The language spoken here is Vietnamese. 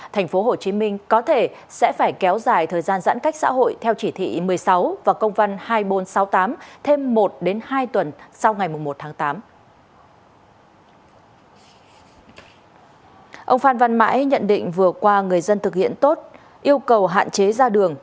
thành phố hồ chí minh có thể sẽ phải kéo dài thời gian giãn cách xã hội theo chỉ thị một mươi sáu và công văn hai nghìn bốn trăm sáu mươi tám thêm một đến hai tuần sau ngày một tháng tám